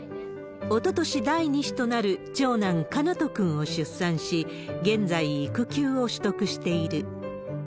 おととし、第２子となる長男、奏斗くんを出産し、現在、育休を取得している。